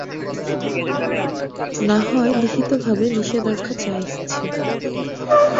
নাহয় লিখিতভাবে নিষেধ আাজ্ঞা চায়ছে।